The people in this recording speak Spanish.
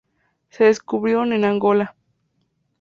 Se descubrieron en Angola.